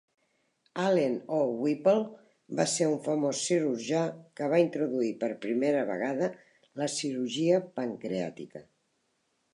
Allen O. Whipple va ser un famós cirurgià que va introduir per primera vegada la cirurgia pancreàtica.